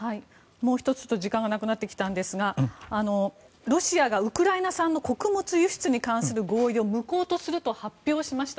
もう１つ時間がなくなってきたんですがロシアが、ウクライナ産の穀物輸出に関する合意を無効とすると発表しました。